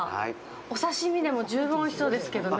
お刺身でも十分おいしそうですけどね。